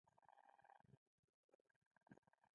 په پيشو پسې يې لوټه وويشته.